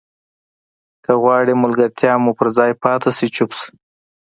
که غواړې ملګرتیا مو پر ځای پاتې شي چوپ شه.